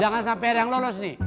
jangan sampai ada yang lolos nih